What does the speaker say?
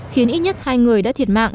khiến ít nhất hai người đã thiệt mạng